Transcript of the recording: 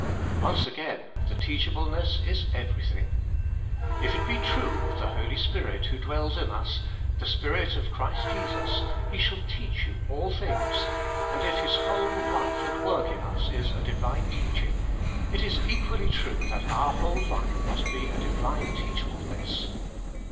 Once again, the teachable ness is everything. If it be true of the Holy Spirit who dwells in us, the Spirit of Christ Jesus, "He shall teach you all things," and if His whole life and work in us is a Divine teach ing, it is equally true that our whole life must be a Divine teachableness.